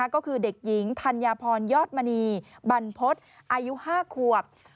ก็คือเด็กหญิงธัญพรยอดมณีบรรพฤษอายุ๕ขวบ